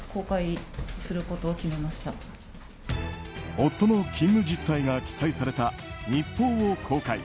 夫の勤務実態が記載された日報を公開。